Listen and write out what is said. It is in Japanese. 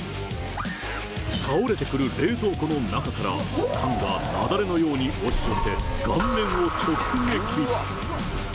倒れてくる冷蔵庫の中から、パンが雪崩のように押し寄せ、顔面を直撃。